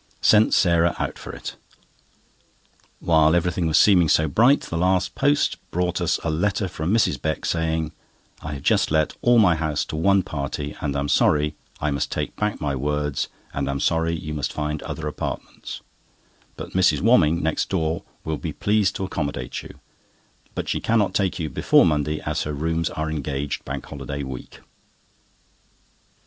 Sent Sarah out for it. While everything was seeming so bright, the last post brought us a letter from Mrs. Beck, saying: "I have just let all my house to one party, and am sorry I must take back my words, and am sorry you must find other apartments; but Mrs. Womming, next door, will be pleased to accommodate you, but she cannot take you before Monday, as her rooms are engaged Bank Holiday week."